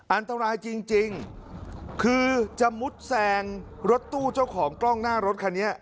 อันตรายจริงคือจะมุดแซงรถตู้เจ้าของกล้องหน้ารถคันนี้